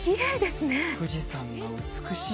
富士山が美しい。